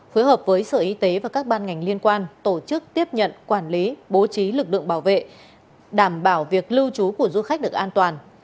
phối hợp với sở y tế và các ban ngành liên quan tổ chức tiếp nhận quản lý bố trí lực lượng bảo vệ đảm bảo việc lưu trú của du khách được an toàn